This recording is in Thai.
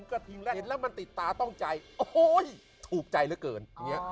กระทิงแล้วเห็นแล้วมันติดตาต้องใจโอ้โหถูกใจเหลือเกินอย่างนี้